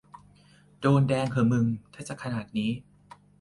โดนแดงเหอะมึงถ้าจะขนาดนี้